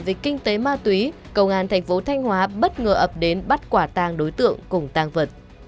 vì kinh tế ma túy công an tp thanh hóa bất ngờ ập đến bắt quả tang đối tượng cùng tang vật